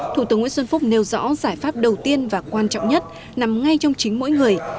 thủ tướng nguyễn xuân phúc nêu rõ giải pháp đầu tiên và quan trọng nhất nằm ngay trong chính mỗi người